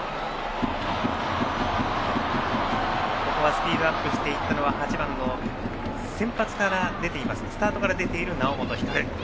スピードアップしたのは８番の先発から出ていますスタートから出ている猶本光。